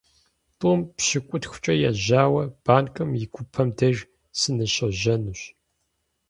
ТIум пщыкIутхукIэ ежьауэ банкым и гупэм деж сыныщожьэнущ.